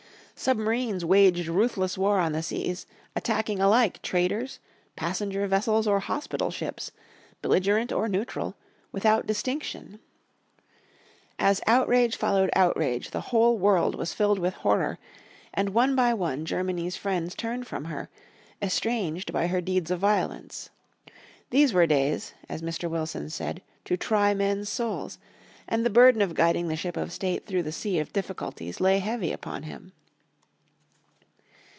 Submarines waged ruthless war on the seas, attacking alike traders, passenger vessels or hospital ships, belligerent or neutral, without distinction. As outrage followed outrage the whole world was filled with horror, and one by one Germany's friends turned from her, estranged by her deeds of violence. These were days, as Mr. Wilson said, "to try men's souls," and the burden of guiding the ship of state through the sea of difficulties lay heavy upon him.